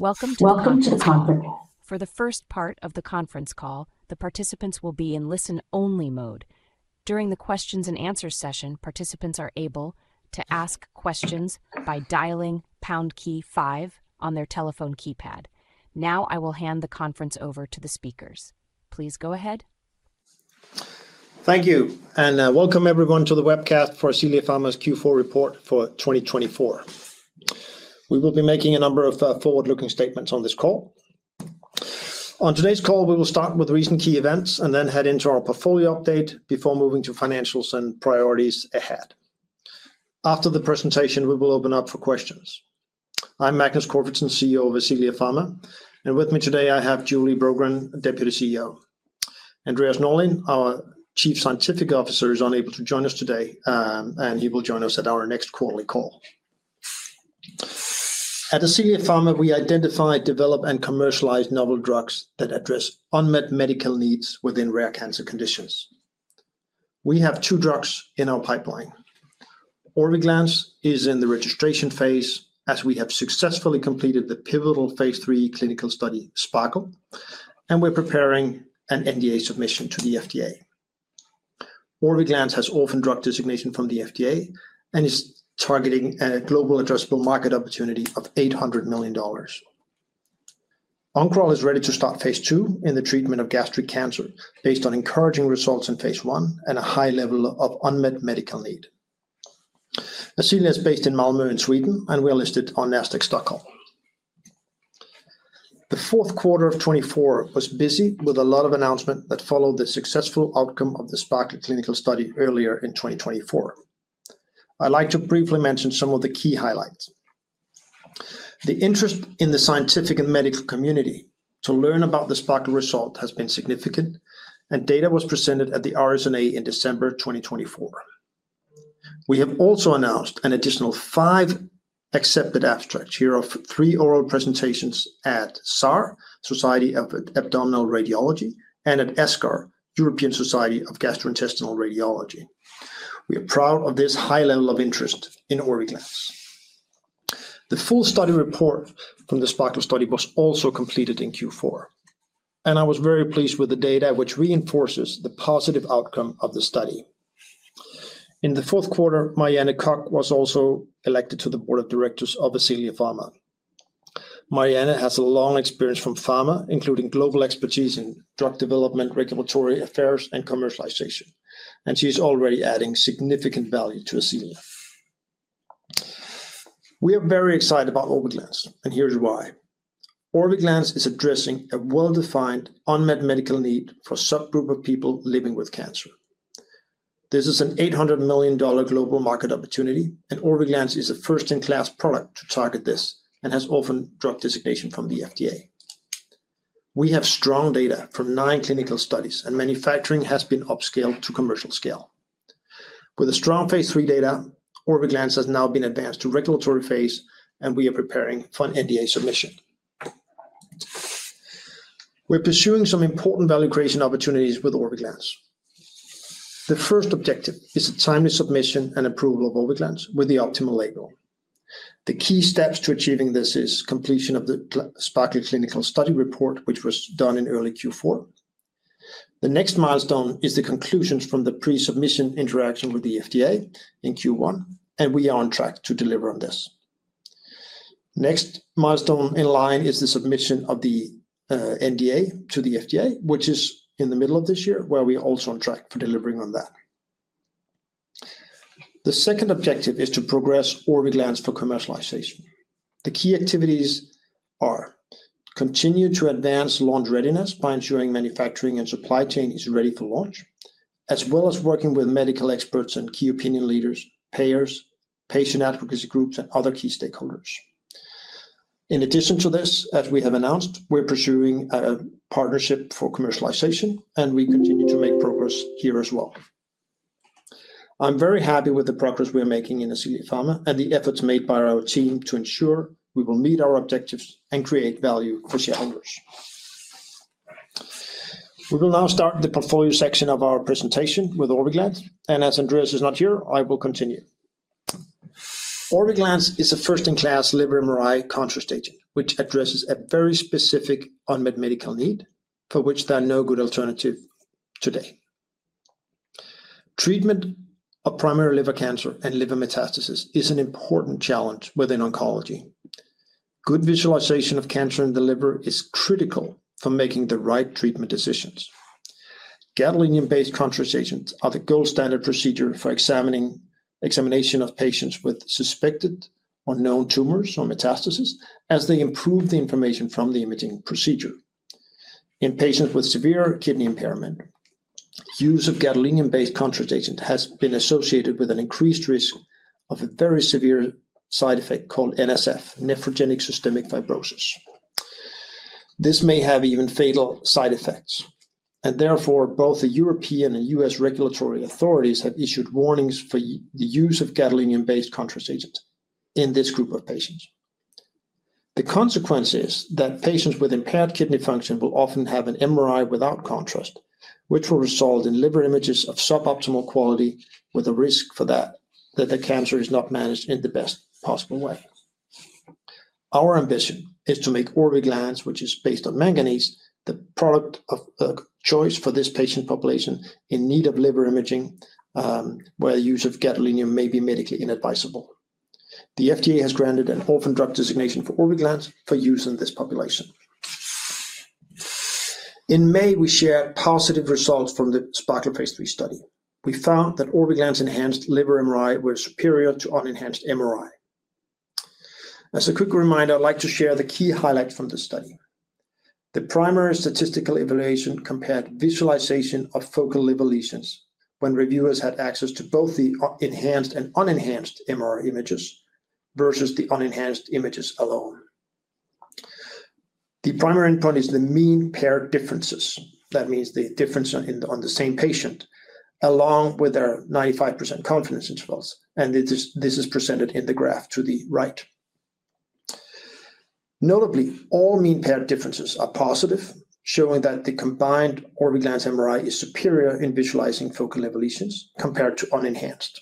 Listen-only mode. During the Q&A session, participants are able to ask questions by dialing #5 on their telephone keypad. Now I will hand the conference over to the speakers. Please go ahead. Thank you, and welcome everyone to the webcast for Ascelia Pharma's Q4 report for 2024. We will be making a number of forward-looking statements on this call. On today's call, we will start with recent key events and then head into our portfolio update before moving to financials and priorities ahead. After the presentation, we will open up for questions. I'm Magnus Corfitzen, CEO of Ascelia Pharma, and with me today I have Julie Brogren, Deputy CEO. Andreas Norlin, our Chief Scientific Officer, is unable to join us today, and he will join us at our next quarterly call. At Ascelia Pharma, we identify, develop, and commercialize novel drugs that address unmet medical needs within rare cancer conditions. We have two drugs in our pipeline. Orviglance is in the registration phase, as we have successfully completed the pivotal phase III clinical study SPARKLE, and we're preparing an NDA submission to the FDA. Orviglance has orphan drug designation from the FDA and is targeting a global addressable market opportunity of $800 million. Oncoral is ready to start phase II in the treatment of gastric cancer based on encouraging results in phase I and a high level of unmet medical need. Ascelia is based in Malmö in Sweden, and we are listed on Nasdaq Stockholm. The fourth quarter of 2024 was busy with a lot of announcements that followed the successful outcome of the SPARKLE clinical study earlier in 2024. I'd like to briefly mention some of the key highlights. The interest in the scientific and medical community to learn about the SPARKLE result has been significant, and data was presented at the RSNA in December 2024. We have also announced an additional five accepted abstracts here of three oral presentations at SAR, Society of Abdominal Radiology, and at ESGAR, European Society of Gastrointestinal Radiology. We are proud of this high level of interest in Orviglance. The full study report from the SPARKLE study was also completed in Q4, and I was very pleased with the data, which reinforces the positive outcome of the study. In the fourth quarter, Marianne Koch was also elected to the Board of Directors of Ascelia Pharma. Marianne has a long experience from pharma, including global expertise in drug development, regulatory affairs, and commercialization, and she is already adding significant value to Ascelia. We are very excited about Orviglance, and here's why. Orviglance is addressing a well-defined unmet medical need for a subgroup of people living with cancer. This is an $800 million global market opportunity, and Orviglance is a first-in-class product to target this and has orphan drug designation from the FDA. We have strong data from nine clinical studies, and manufacturing has been upscaled to commercial scale. With the strong phase III data, Orviglance has now been advanced to regulatory phase, and we are preparing for an NDA submission. We're pursuing some important value creation opportunities with Orviglance. The first objective is a timely submission and approval of Orviglance with the optimal label. The key steps to achieving this are completion of the SPARKLE clinical study report, which was done in early Q4. The next milestone is the conclusions from the pre-submission interaction with the FDA in Q1, and we are on track to deliver on this. The next milestone in line is the submission of the NDA to the FDA, which is in the middle of this year, where we are also on track for delivering on that. The second objective is to progress Orviglance for commercialization. The key activities are to continue to advance launch readiness by ensuring manufacturing and supply chain is ready for launch, as well as working with medical experts and key opinion leaders, payers, patient advocacy groups, and other key stakeholders. In addition to this, as we have announced, we're pursuing a partnership for commercialization, and we continue to make progress here as well. I'm very happy with the progress we're making in Ascelia Pharma and the efforts made by our team to ensure we will meet our objectives and create value for shareholders. We will now start the portfolio section of our presentation with Orviglance, and as Andreas is not here, I will continue. Orviglance is a first-in-class liver MRI contrast agent, which addresses a very specific unmet medical need for which there are no good alternatives today. Treatment of primary liver cancer and liver metastasis is an important challenge within oncology. Good visualization of cancer in the liver is critical for making the right treatment decisions. Gadolinium-based contrast agents are the gold standard procedure for examination of patients with suspected or known tumors or metastasis, as they improve the information from the imaging procedure. In patients with severe kidney impairment, use of gadolinium-based contrast agents has been associated with an increased risk of a very severe side effect called NSF, nephrogenic systemic fibrosis. This may have even fatal side effects, and therefore both the European and U.S. regulatory authorities have issued warnings for the use of gadolinium-based contrast agents in this group of patients. The consequence is that patients with impaired kidney function will often have an MRI without contrast, which will result in liver images of suboptimal quality, with a risk that the cancer is not managed in the best possible way. Our ambition is to make Orviglance, which is based on manganese, the product of choice for this patient population in need of liver imaging, where the use of gadolinium may be medically inadvisable. The FDA has granted an orphan drug designation for Orviglance for use in this population. In May, we shared positive results from the SPARKLE phase III study. We found that Orviglance-enhanced liver MRI was superior to unenhanced MRI. As a quick reminder, I'd like to share the key highlights from the study. The primary statistical evaluation compared visualization of focal liver lesions when reviewers had access to both the enhanced and unenhanced MRI images versus the unenhanced images alone. The primary endpoint is the mean paired differences. That means the difference on the same patient, along with their 95% confidence intervals, and this is presented in the graph to the right. Notably, all mean paired differences are positive, showing that the combined Orviglance MRI is superior in visualizing focal liver lesions compared to unenhanced.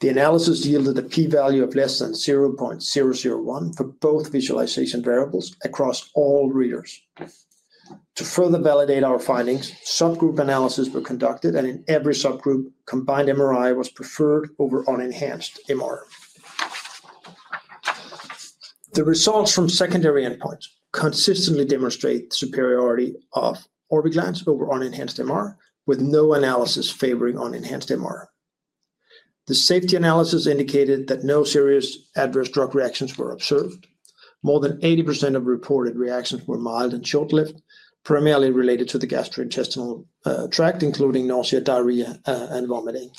The analysis yielded a p-value of less than 0.001 for both visualization variables across all readers. To further validate our findings, subgroup analyses were conducted, and in every subgroup, combined MRI was preferred over unenhanced MRI. The results from secondary endpoints consistently demonstrate the superiority of Orviglance over unenhanced MRI, with no analysis favoring unenhanced MRI. The safety analysis indicated that no serious adverse drug reactions were observed. More than 80% of reported reactions were mild and short-lived, primarily related to the gastrointestinal tract, including nausea, diarrhea, and vomiting.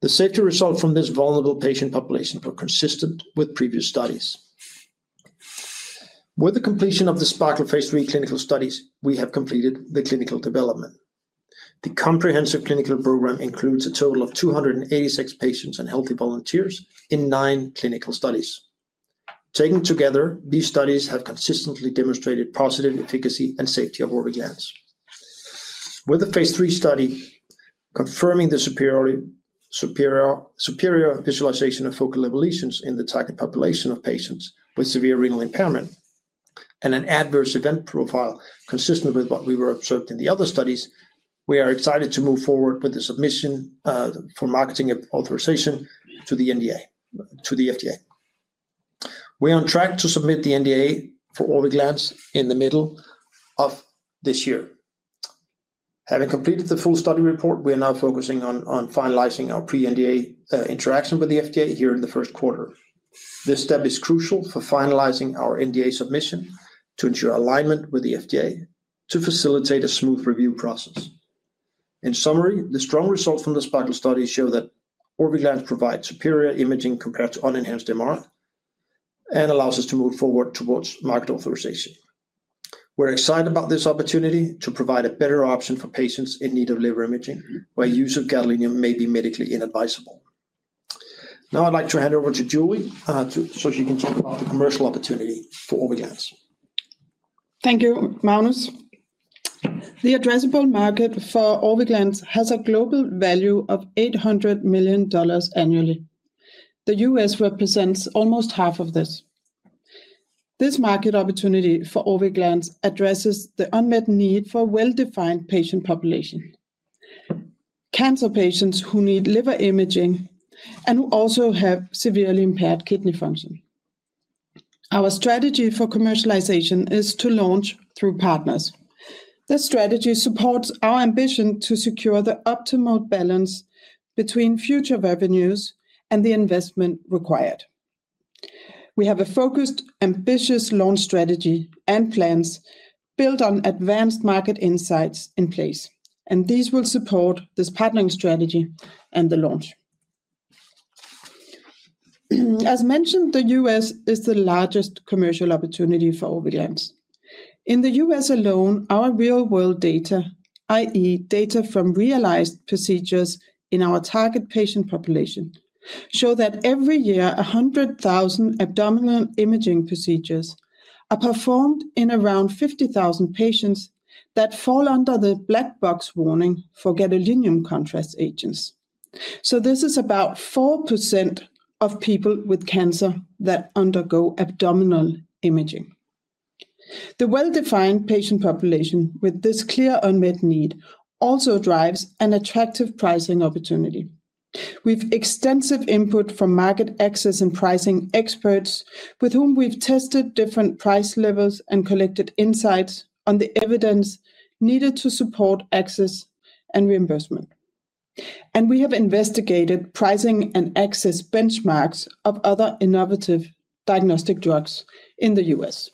The safety results from this vulnerable patient population were consistent with previous studies. With the completion of the SPARKLE phase III clinical studies, we have completed the clinical development. The comprehensive clinical program includes a total of 286 patients and healthy volunteers in nine clinical studies. Taken together, these studies have consistently demonstrated positive efficacy and safety of Orviglance. With the phase III study confirming the superior visualization of focal liver lesions in the target population of patients with severe renal impairment and an adverse event profile consistent with what we were observed in the other studies, we are excited to move forward with the submission for marketing authorization to the FDA. We are on track to submit the NDA for Orviglance in the middle of this year. Having completed the full study report, we are now focusing on finalizing our pre-NDA interaction with the FDA here in the first quarter. This step is crucial for finalizing our NDA submission to ensure alignment with the FDA to facilitate a smooth review process. In summary, the strong results from the SPARKLE study show that Orviglance provides superior imaging compared to unenhanced MRI and allows us to move forward towards market authorization. We're excited about this opportunity to provide a better option for patients in need of liver imaging, where use of gadolinium may be medically inadvisable. Now I'd like to hand over to Julie so she can talk about the commercial opportunity for Orviglance. Thank you, Magnus. The addressable market for Orviglance has a global value of $800 million annually. The U.S. represents almost half of this. This market opportunity for Orviglance addresses the unmet need for a well-defined patient population: cancer patients who need liver imaging and who also have severely impaired kidney function. Our strategy for commercialization is to launch through partners. This strategy supports our ambition to secure the optimal balance between future revenues and the investment required. We have a focused, ambitious launch strategy and plans built on advanced market insights in place, and these will support this partnering strategy and the launch. As mentioned, the U.S. is the largest commercial opportunity for Orviglance. In the U.S. alone, our real-world data, i.e., data from realized procedures in our target patient population, show that every year 100,000 abdominal imaging procedures are performed in around 50,000 patients that fall under the black box warning for gadolinium contrast agents. This is about 4% of people with cancer that undergo abdominal imaging. The well-defined patient population with this clear unmet need also drives an attractive pricing opportunity. We've extensive input from market access and pricing experts with whom we've tested different price levels and collected insights on the evidence needed to support access and reimbursement. We have investigated pricing and access benchmarks of other innovative diagnostic drugs in the U.S.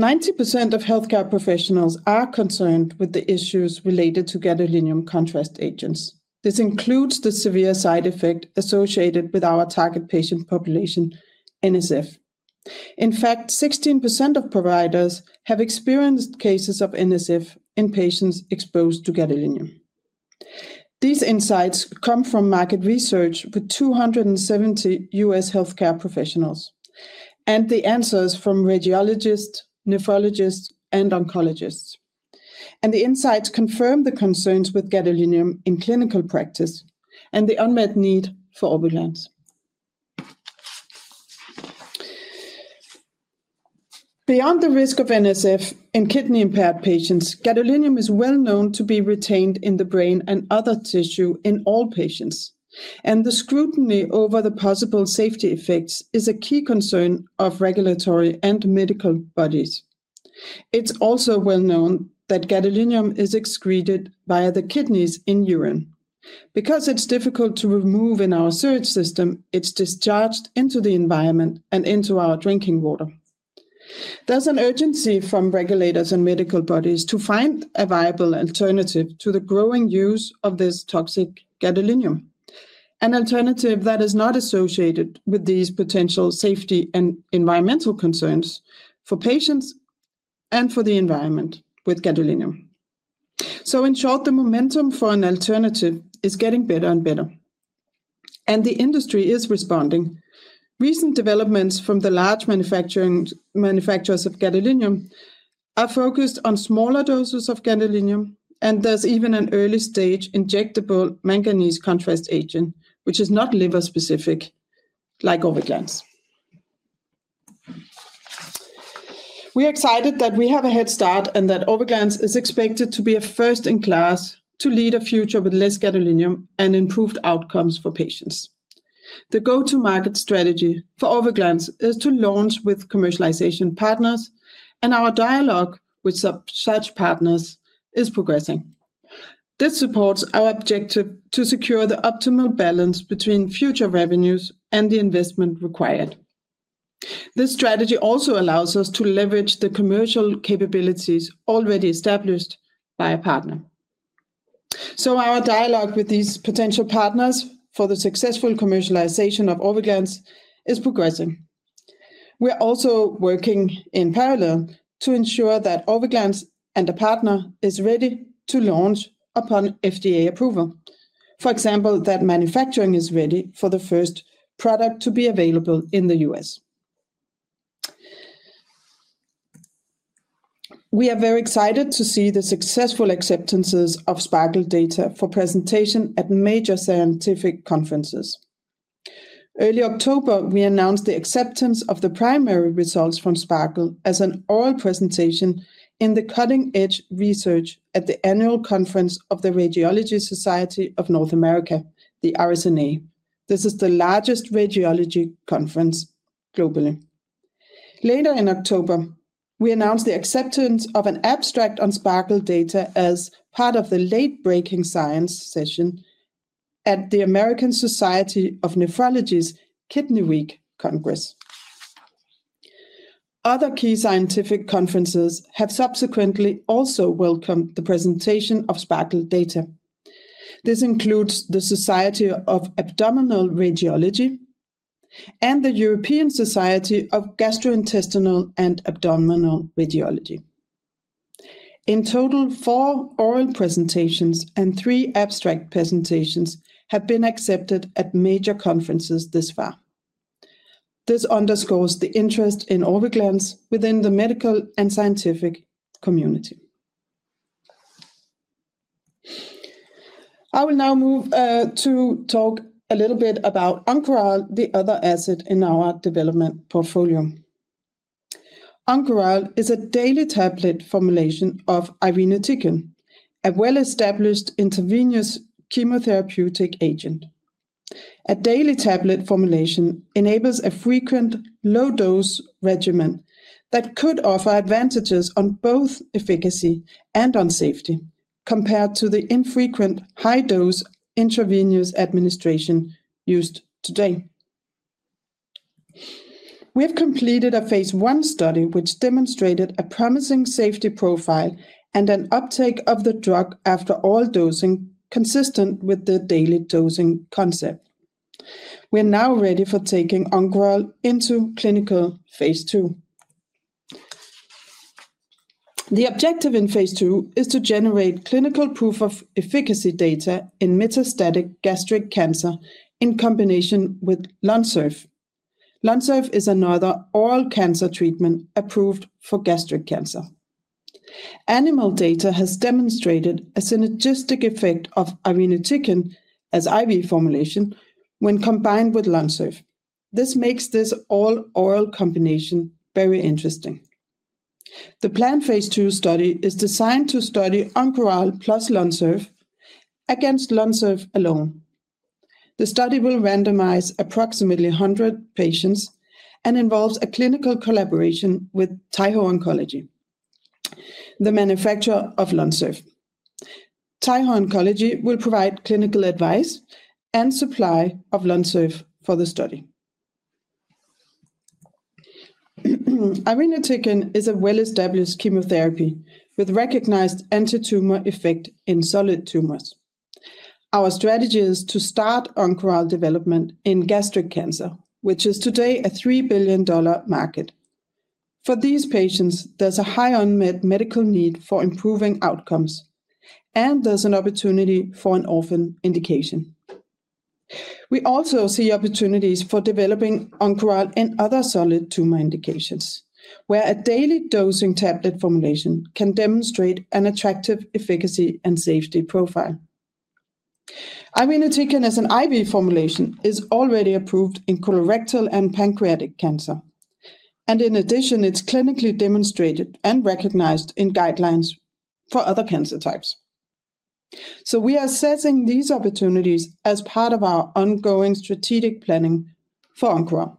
90% of healthcare professionals are concerned with the issues related to gadolinium contrast agents. This includes the severe side effect associated with our target patient population, NSF. In fact, 16% of providers have experienced cases of NSF in patients exposed to gadolinium. These insights come from market research with 270 U.S. healthcare professionals and the answers from radiologists, nephrologists, and oncologists. The insights confirm the concerns with gadolinium in clinical practice and the unmet need for Orviglance. Beyond the risk of NSF in kidney-impaired patients, gadolinium is well known to be retained in the brain and other tissue in all patients, and the scrutiny over the possible safety effects is a key concern of regulatory and medical bodies. It is also well known that gadolinium is excreted via the kidneys in urine. Because it is difficult to remove in our sewage system, it is discharged into the environment and into our drinking water. is an urgency from regulators and medical bodies to find a viable alternative to the growing use of this toxic gadolinium, an alternative that is not associated with these potential safety and environmental concerns for patients and for the environment with gadolinium. In short, the momentum for an alternative is getting better and better, and the industry is responding. Recent developments from the large manufacturers of gadolinium are focused on smaller doses of gadolinium, and there is even an early-stage injectable manganese contrast agent, which is not liver-specific like Orviglance. We are excited that we have a head start and that Orviglance is expected to be a first-in-class to lead a future with less gadolinium and improved outcomes for patients. The go-to-market strategy for Orviglance is to launch with commercialization partners, and our dialogue with such partners is progressing. This supports our objective to secure the optimal balance between future revenues and the investment required. This strategy also allows us to leverage the commercial capabilities already established by a partner. Our dialogue with these potential partners for the successful commercialization of Orviglance is progressing. We are also working in parallel to ensure that Orviglance and a partner are ready to launch upon FDA approval. For example, that manufacturing is ready for the first product to be available in the US. We are very excited to see the successful acceptances of SPARKLE data for presentation at major scientific conferences. Early October, we announced the acceptance of the primary results from SPARKLE as an oral presentation in the Cutting-Edge Research at the annual conference of the Radiology Society of North America, the RSNA. This is the largest radiology conference globally. Later in October, we announced the acceptance of an abstract on SPARKLE data as part of the late-breaking science session at the American Society of Nephrology's Kidney Week Congress. Other key scientific conferences have subsequently also welcomed the presentation of SPARKLE data. This includes the Society of Abdominal Radiology and the European Society of Gastrointestinal and Abdominal Radiology. In total, four oral presentations and three abstract presentations have been accepted at major conferences thus far. This underscores the interest in Orviglance within the medical and scientific community. I will now move to talk a little bit about Oncural, the other asset in our development portfolio. Oncural is a daily tablet formulation of irinotecan, a well-established intravenous chemotherapeutic agent. A daily tablet formulation enables a frequent low-dose regimen that could offer advantages on both efficacy and on safety compared to the infrequent high-dose intravenous administration used today. We have completed a phase I study, which demonstrated a promising safety profile and an uptake of the drug after all dosing consistent with the daily dosing concept. We are now ready for taking Oncural into clinical phase II. The objective in phase II is to generate clinical proof of efficacy data in metastatic gastric cancer in combination with Lonsurf. Lonsurf is another oral cancer treatment approved for gastric cancer. Animal data has demonstrated a synergistic effect of irinotecan as IV formulation when combined with Lonsurf. This makes this all-oral combination very interesting. The planned phase II study is designed to study Oncural plus Lonsurf against Lonsurf alone. The study will randomize approximately 100 patients and involves a clinical collaboration with Taiho Oncology, the manufacturer of Lonsurf. Taiho Oncology will provide clinical advice and supply of Lonsurf for the study. Irinotecan is a well-established chemotherapy with recognized anti-tumor effect in solid tumors. Our strategy is to start Oncural development in gastric cancer, which is today a $3 billion market. For these patients, there's a high unmet medical need for improving outcomes, and there's an opportunity for an orphan indication. We also see opportunities for developing Oncural in other solid tumor indications, where a daily dosing tablet formulation can demonstrate an attractive efficacy and safety profile. Irinotecan as an IV formulation is already approved in colorectal and pancreatic cancer, and in addition, it's clinically demonstrated and recognized in guidelines for other cancer types. We are assessing these opportunities as part of our ongoing strategic planning for Oncural.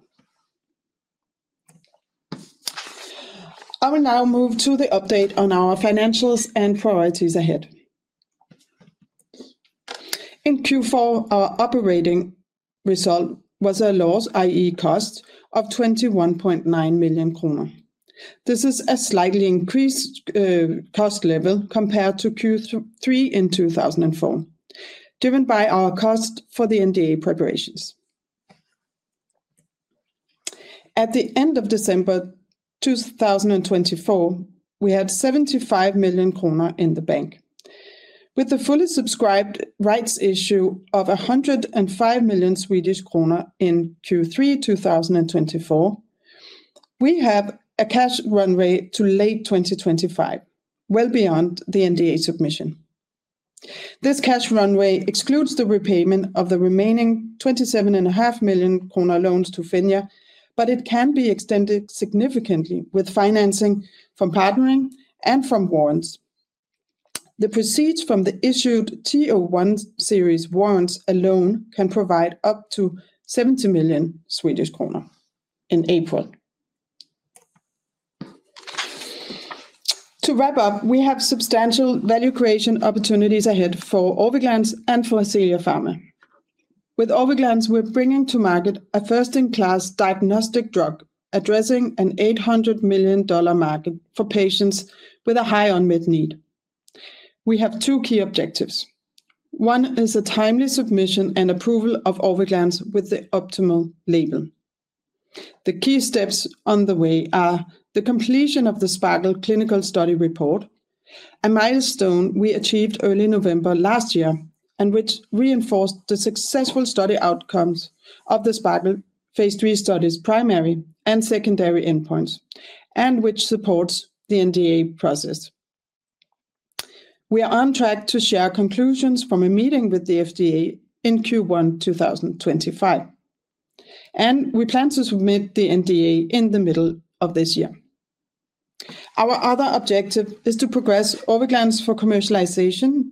I will now move to the update on our financials and priorities ahead. In Q4, our operating result was a loss, i.e., cost of 21.9 million kronor. This is a slightly increased cost level compared to Q3 in 2024, driven by our cost for the NDA preparations. At the end of December 2024, we had 75 million kronor in the bank. With the fully subscribed rights issue of 105 million Swedish kronor in Q3 2024, we have a cash runway to late 2025, well beyond the NDA submission. This cash runway excludes the repayment of the remaining 27.5 million kronor loans to Finja, but it can be extended significantly with financing from partnering and from warrants. The proceeds from the issued TO1 series warrants alone can provide up to 70 million Swedish kronor in April. To wrap up, we have substantial value creation opportunities ahead for Orviglance and for Ascelia Pharma. With Orviglance, we're bringing to market a first-in-class diagnostic drug addressing an $800 million market for patients with a high unmet need. We have two key objectives. One is a timely submission and approval of Orviglance with the optimal label. The key steps on the way are the completion of the SPARKLE clinical study report, a milestone we achieved early November last year and which reinforced the successful study outcomes of the SPARKLE phase III study's primary and secondary endpoints, and which supports the NDA process. We are on track to share conclusions from a meeting with the FDA in Q1 2025, and we plan to submit the NDA in the middle of this year. Our other objective is to progress Orviglance for commercialization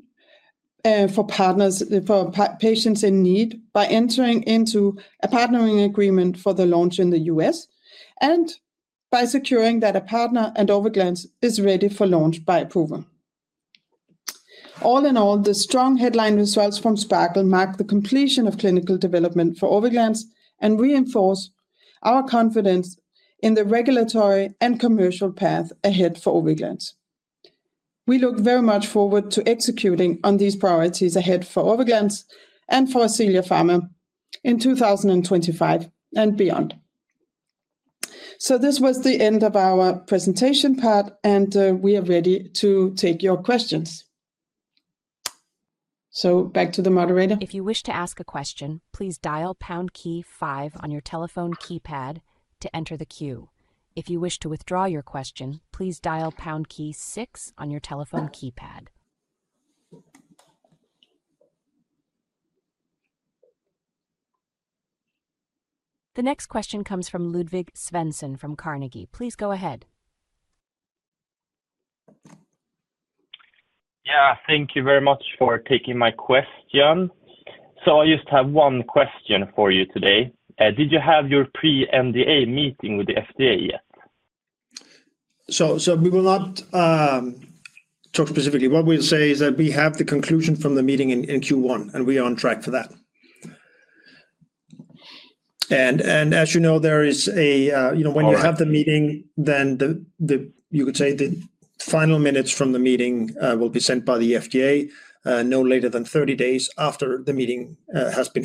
for patients in need by entering into a partnering agreement for the launch in the US and by securing that a partner and Orviglance is ready for launch by approval. All in all, the strong headline results from SPARKLE mark the completion of clinical development for Orviglance and reinforce our confidence in the regulatory and commercial path ahead for Orviglance. We look very much forward to executing on these priorities ahead for Orviglance and for Ascelia Pharma in 2025 and beyond. This was the end of our presentation part, and we are ready to take your questions. Back to the moderator. If you wish to ask a question, please dial pound key five on your telephone keypad to enter the queue. If you wish to withdraw your question, please dial pound key six on your telephone keypad. The next question comes from Ludwig Svensson from Carnegie. Please go ahead. Yeah, thank you very much for taking my question. I just have one question for you today. Did you have your pre-NDA meeting with the FDA yet? We will not talk specifically. What we'll say is that we have the conclusion from the meeting in Q1, and we are on track for that. As you know, there is a, you know, when you have the meeting, then you could say the final minutes from the meeting will be sent by the FDA no later than 30 days after the meeting has been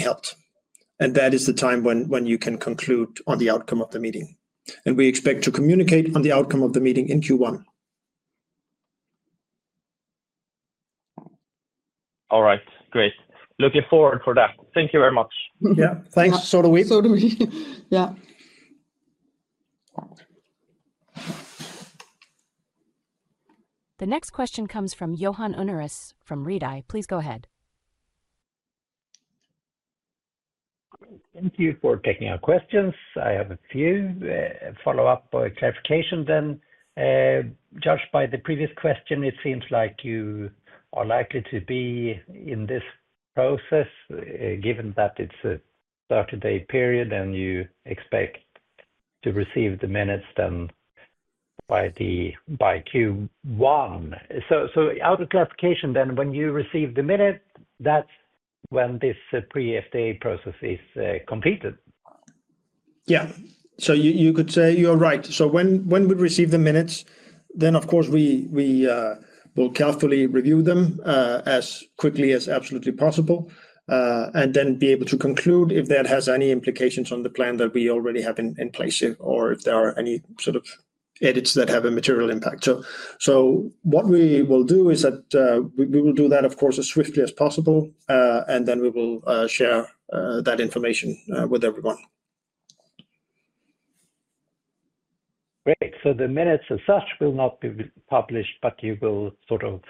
held. That is the time when you can conclude on the outcome of the meeting. We expect to communicate on the outcome of the meeting in Q1. All right, great. Looking forward for that. Thank you very much. Yeah, thanks. So do we. So do we. The next question comes from Johan Unnérus from Redeye. Please go ahead. Thank you for taking our questions. I have a few follow-up clarifications then. Judged by the previous question, it seems like you are likely to be in this process given that it's a 30-day period and you expect to receive the minutes then by Q1. Out of clarification then, when you receive the minutes, that's when this pre-FDA process is completed? Yeah. You could say you're right. When we receive the minutes, then of course we will carefully review them as quickly as absolutely possible and then be able to conclude if that has any implications on the plan that we already have in place or if there are any sort of edits that have a material impact. What we will do is that we will do that, of course, as swiftly as possible, and then we will share that information with everyone. Great. The minutes as such will not be published, but you will sort of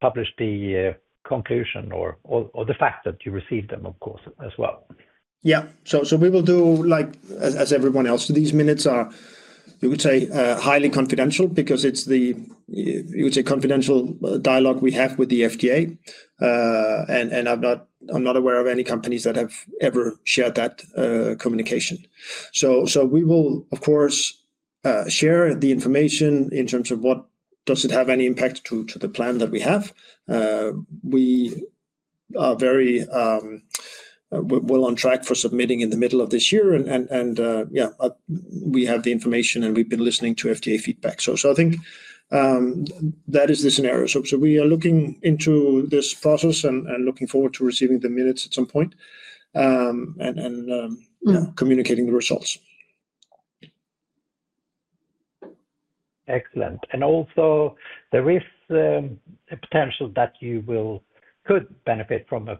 publish the conclusion or the fact that you received them, of course, as well. Yeah. We will do like as everyone else. These minutes are, you could say, highly confidential because it is the, you would say, confidential dialogue we have with the FDA. I am not aware of any companies that have ever shared that communication. We will, of course, share the information in terms of what does it have any impact to the plan that we have. We are very well on track for submitting in the middle of this year. Yeah, we have the information and we have been listening to FDA feedback. I think that is the scenario. We are looking into this process and looking forward to receiving the minutes at some point and communicating the results. Excellent. There is a potential that you could benefit from a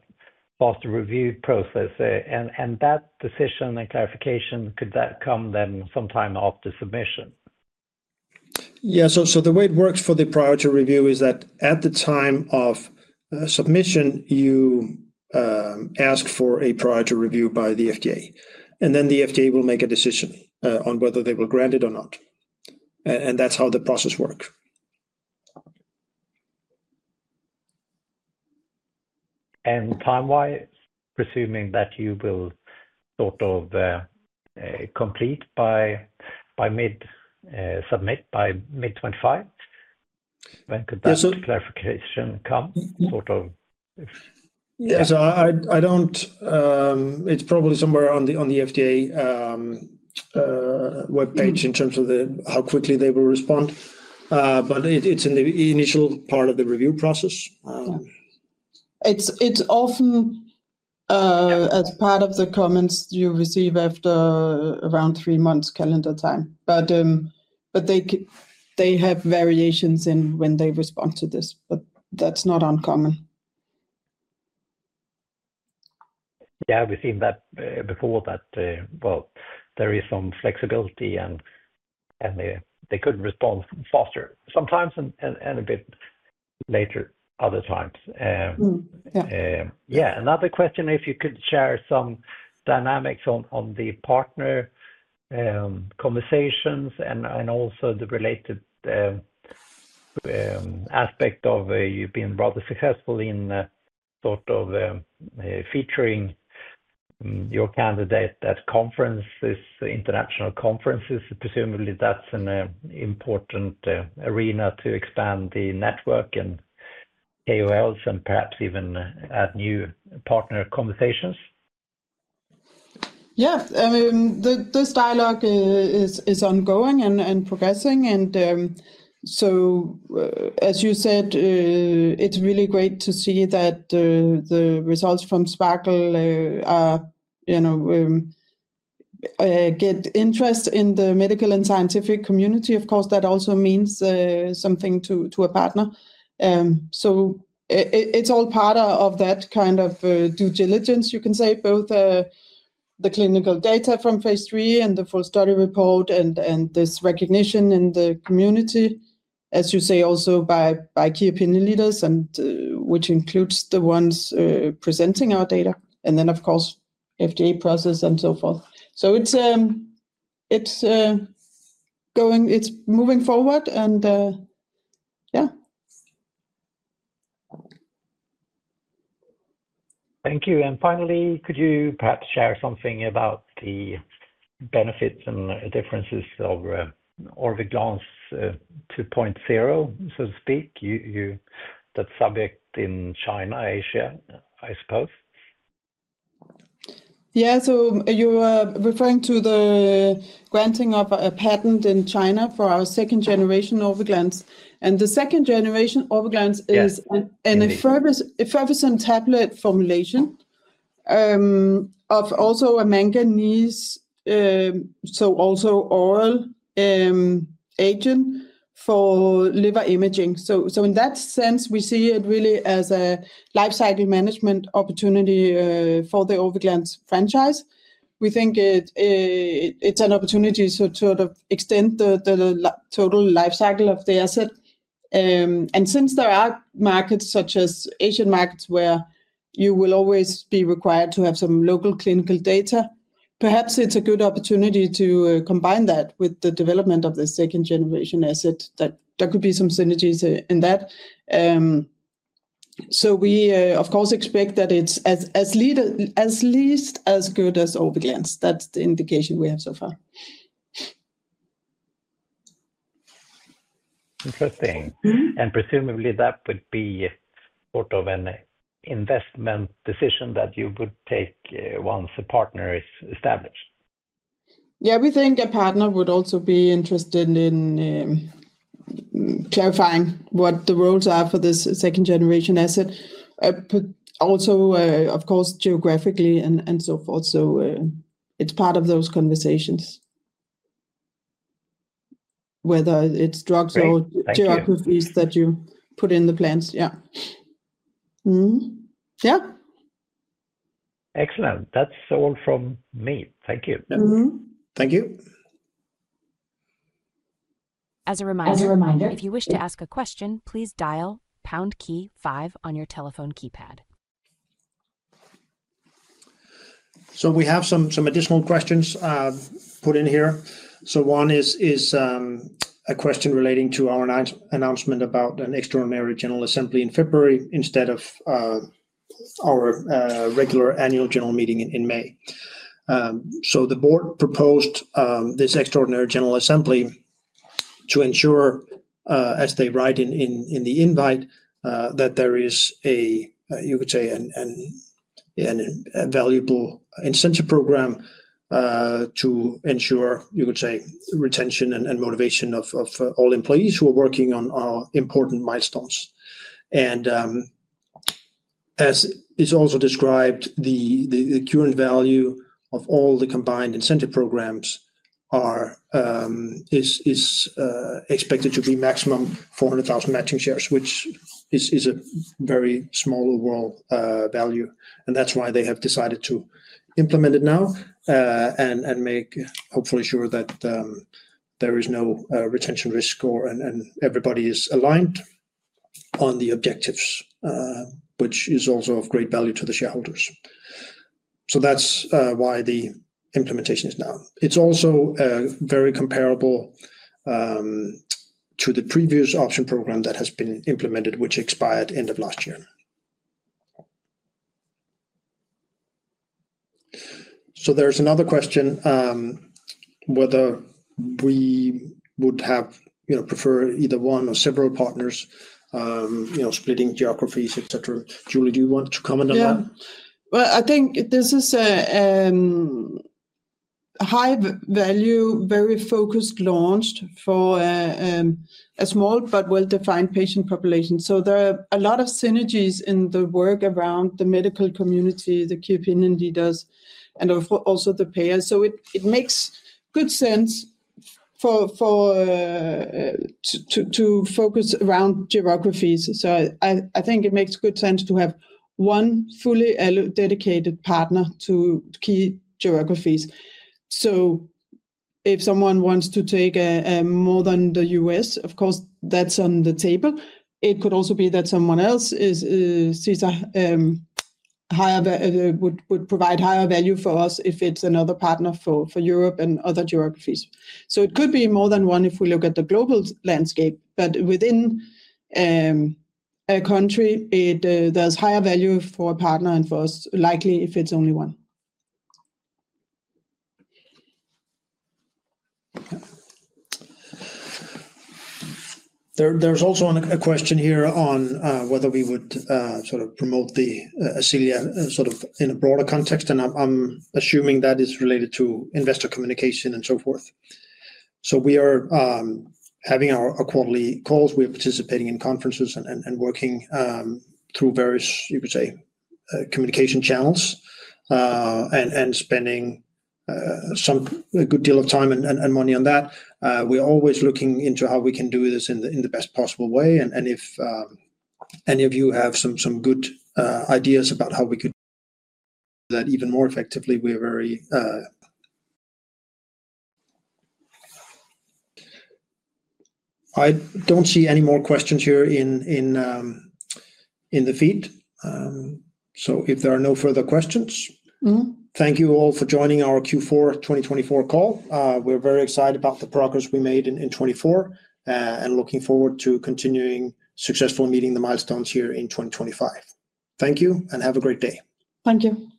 faster review process. That decision and clarification, could that come then sometime after submission? Yeah. The way it works for the priority review is that at the time of submission, you ask for a priority review by the FDA. The FDA will make a decision on whether they will grant it or not. That's how the process works. Time wise, presuming that you will sort of complete by mid-submit, by mid-2025, when could that clarification come sort of? Yeah. I don't, it's probably somewhere on the FDA web page in terms of how quickly they will respond. It's in the initial part of the review process. It's often as part of the comments you receive after around three months calendar time. They have variations in when they respond to this, but that's not uncommon. Yeah, we've seen that before, that there is some flexibility and they could respond faster sometimes and a bit later other times. Yeah. Another question, if you could share some dynamics on the partner conversations and also the related aspect of you've been rather successful in sort of featuring your candidate at conferences, international conferences. Presumably that's an important arena to expand the network and KOLs and perhaps even add new partner conversations. Yeah. I mean, this dialogue is ongoing and progressing. As you said, it's really great to see that the results from SPARKLE get interest in the medical and scientific community. Of course, that also means something to a partner. It is all part of that kind of due diligence, you can say, both the clinical data from phase III and the full study report and this recognition in the community, as you say, also by key opinion leaders, which includes the ones presenting our data. Then, of course, FDA process and so forth. It is moving forward and yeah. Thank you. Finally, could you perhaps share something about the benefits and differences of Orviglance 2.0, so to speak, that is subject in China, Asia, I suppose? Yeah. You are referring to the granting of a patent in China for our second generation Orviglance. The second generation Orviglance is an effervescent tablet formulation of also a manganese, so also oral agent for liver imaging. In that sense, we see it really as a lifecycle management opportunity for the Orviglance franchise. We think it's an opportunity to sort of extend the total lifecycle of the asset. Since there are markets such as Asian markets where you will always be required to have some local clinical data, perhaps it's a good opportunity to combine that with the development of the second generation asset. There could be some synergies in that. We, of course, expect that it's at least as good as Orviglance. That's the indication we have so far. Interesting. Presumably that would be sort of an investment decision that you would take once a partner is established. Yeah, we think a partner would also be interested in clarifying what the roles are for this second generation asset. Also, of course, geographically and so forth. It's part of those conversations, whether it's drugs or geographies that you put in the plans. Yeah. Yeah. Excellent. That's all from me. Thank you. Thank you. As a reminder, if you wish to ask a question, please dial pound key five on your telephone keypad. We have some additional questions put in here. One is a question relating to our announcement about an extraordinary general assembly in February instead of our regular annual general meeting in May. The board proposed this extraordinary general assembly to ensure, as they write in the invite, that there is a, you could say, a valuable incentive program to ensure, you could say, retention and motivation of all employees who are working on our important milestones. As is also described, the current value of all the combined incentive programs is expected to be maximum 400,000 matching shares, which is a very small overall value. That is why they have decided to implement it now and make hopefully sure that there is no retention risk or everybody is aligned on the objectives, which is also of great value to the shareholders. That is why the implementation is now. It is also very comparable to the previous option program that has been implemented, which expired end of last year. There is another question whether we would have preferred either one or several partners splitting geographies, etc. Julie, do you want to comment on that? Yeah. I think this is a high-value, very focused launch for a small but well-defined patient population. There are a lot of synergies in the work around the medical community, the key opinion leaders, and also the payers. It makes good sense to focus around geographies. I think it makes good sense to have one fully dedicated partner to key geographies. If someone wants to take more than the US, of course, that's on the table. It could also be that someone else would provide higher value for us if it's another partner for Europe and other geographies. It could be more than one if we look at the global landscape. Within a country, there's higher value for a partner and for us, likely if it's only one. There's also a question here on whether we would sort of promote the Ascelia sort of in a broader context. I'm assuming that is related to investor communication and so forth. We are having our quarterly calls. We are participating in conferences and working through various, you could say, communication channels and spending some good deal of time and money on that. We're always looking into how we can do this in the best possible way. If any of you have some good ideas about how we could do that even more effectively, we are very. I don't see any more questions here in the feed. If there are no further questions, thank you all for joining our Q4 2024 call. We're very excited about the progress we made in 2024 and looking forward to continuing successfully meeting the milestones here in 2025. Thank you and have a great day. Thank you.